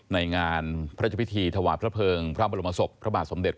ในงานพระราชพิธีถวายพระเภิงพระบรมศพพระบาทสมเด็จ